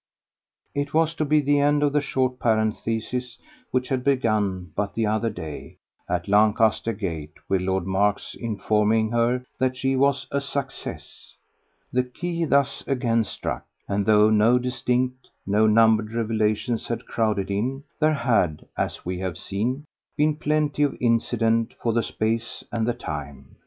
It was to be the end of the short parenthesis which had begun but the other day at Lancaster Gate with Lord Mark's informing her that she was a "success" the key thus again struck; and though no distinct, no numbered revelations had crowded in, there had, as we have seen, been plenty of incident for the space and the time.